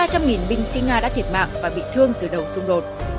hơn ba trăm linh binh sĩ nga đã thiệt mạng và bị thương từ đầu xung đột